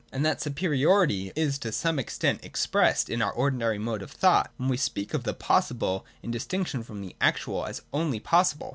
And that superiority is to some extent expressed in our ordinary mode of thought when we speak of the possible, in distinction from the actual, as only possible.